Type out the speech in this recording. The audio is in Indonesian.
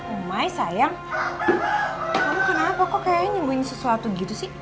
umai sayang kamu kenapa kok kayaknya nyebuin sesuatu gitu sih